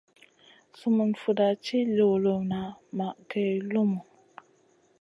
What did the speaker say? Sumun fuda ci luluna wa geyn lumu.